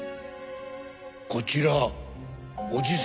こちらおじさんだ。